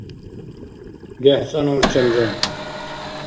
гехӀцӀанну урчӀемра